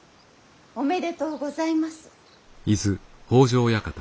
おめでとうございます。